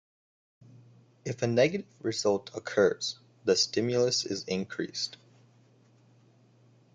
If a negative result occurs, the stimulus is increased.